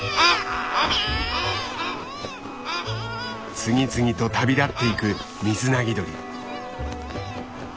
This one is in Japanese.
次々と旅立っていくミズナギドリ。